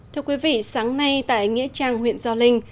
thưa quý vị sáng nay tại nghĩa trang huyện gio linh